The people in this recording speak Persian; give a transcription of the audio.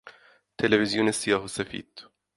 تلویزیون سیاه و سفید